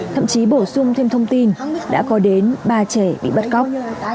thậm chí bổ sung thêm thông tin đã có đến ba trẻ bị bắt cóc